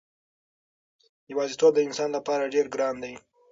یوازېتوب د انسان لپاره ډېر ګران دی.